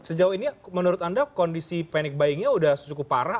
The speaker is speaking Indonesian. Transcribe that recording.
sejauh ini menurut anda kondisi panic buyingnya sudah cukup parah